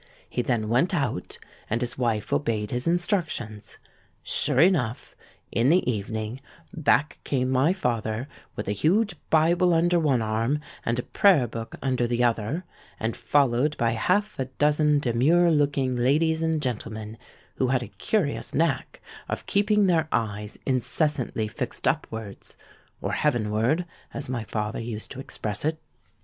He then went out, and his wife obeyed his instructions. Sure enough, in the evening, back came my father with a huge Bible under one arm and a Prayer Book under the other, and followed by half a dozen demure looking ladies and gentlemen, who had a curious knack of keeping their eyes incessantly fixed upwards—or heaven ward, as my father used to express it.